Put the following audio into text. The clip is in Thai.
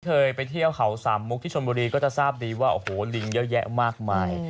เคยไปเที่ยวเขาสามมุกที่ชนบุรีก็จะทราบดีว่าโอ้โหลิงเยอะแยะมากมาย